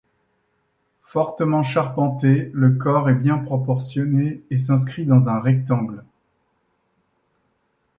Fortement charpenté, le corps est bien proportionné et s'inscrit dans un rectangle.